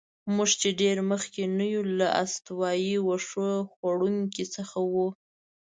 موږ چې ډېر مخکې نه یو، له استوایي وښو خوړونکو څخه وو.